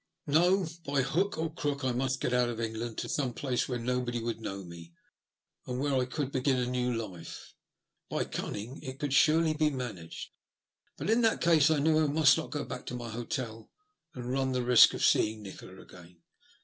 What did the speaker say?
No ; by hook or crook I must get out of England to some place where nobody would know me, and where I could begin a new life. By cunning it could surely be managed. But in that case I knew I must not go back to my hotel, and run the risk of seeing Nikola again.